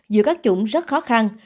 của các chủng rất khó khăn